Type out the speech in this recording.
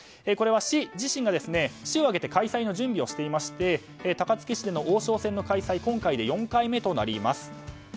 これは市自身が市を挙げて開催の準備をしていまして高槻市での王将戦の開催は今回で４回目となります。